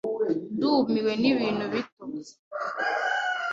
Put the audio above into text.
Ndumiwe nibintu bito.